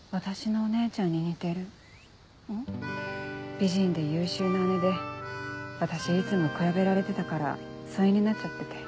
美人で優秀な姉で私いつも比べられてたから疎遠になっちゃってて。